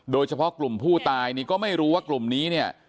โดยเฉพาะกลุ่มผู้ตายนี่ก็ไม่รู้ว่ากลุ่มนี้เนี่ย